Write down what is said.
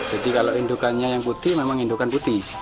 jadi kalau indukannya yang putih memang indukan putih